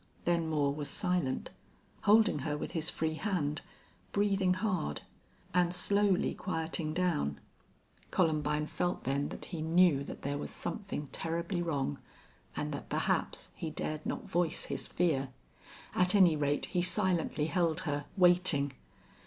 Then Moore was silent, holding her with his free hand, breathing hard, and slowly quieting down. Columbine felt then that he knew that there was something terribly wrong, and that perhaps he dared not voice his fear. At any rate, he silently held her, waiting.